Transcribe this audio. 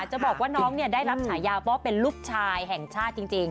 จะบอกว่าน้องได้รับฉายาว่าเป็นลูกชายแห่งชาติจริง